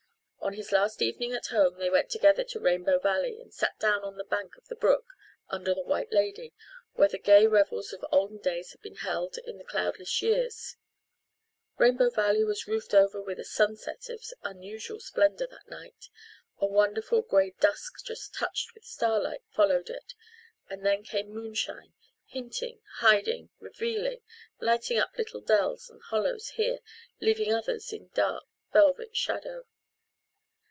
On his last evening at home they went together to Rainbow Valley and sat down on the bank of the brook, under the White Lady, where the gay revels of olden days had been held in the cloudless years. Rainbow Valley was roofed over with a sunset of unusual splendour that night; a wonderful grey dusk just touched with starlight followed it; and then came moonshine, hinting, hiding, revealing, lighting up little dells and hollows here, leaving others in dark, velvet shadow.